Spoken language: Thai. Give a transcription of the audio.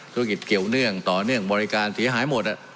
ธุรกิจเกี่ยวเนื่องต่อเนื่องบริการเสียหายหมด